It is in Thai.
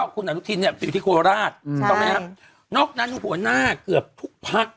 คุณอนุทิณเนี่ยอยู่ที่โครโลราชนอกนั้นหัวหน้าเกือบทุกพัก